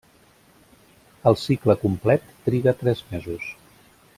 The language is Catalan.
El cicle complet triga tres mesos.